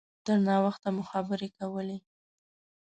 تر ناوخته مو خبرې کولې.